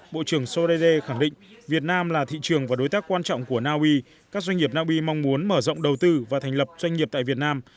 bộ trưởng sorede khẳng định việt nam là thị trường và đối tác quan trọng của naui các doanh nghiệp naui mong muốn mở rộng đầu tư và thành lập doanh nghiệp tại việt nam